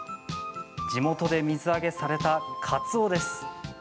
地元で水揚げされた、かつおです。